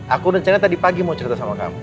aku rencana tadi pagi mau cerita sama kamu